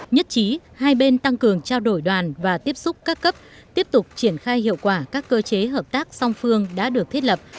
nhất trí hai bên tăng cường trao đổi đoàn và tiếp xúc các cấp tiếp tục triển khai hiệu quả các cơ chế hợp tác song phương đã được thiết lập